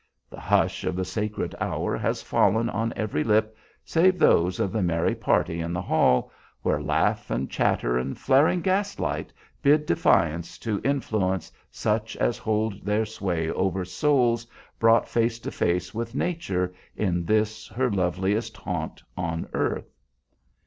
The hush of the sacred hour has fallen on every lip save those of the merry party in the hall, where laugh and chatter and flaring gas light bid defiance to influences such as hold their sway over souls brought face to face with Nature in this, her loveliest haunt on earth.